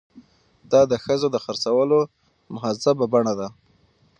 دا د ښځو د خرڅولو مهذبه بڼه ده.